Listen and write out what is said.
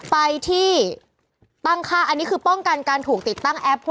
ไปที่ตั้งค่าอันนี้คือป้องกันการถูกติดตั้งแอป